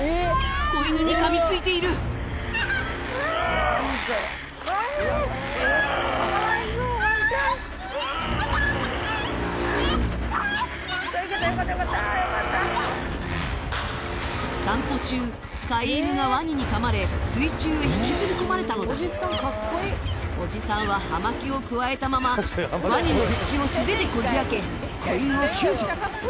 子犬に噛みついている散歩中引きずり込まれたのだおじさんは葉巻をくわえたままワニの口を素手でこじ開け子犬を救助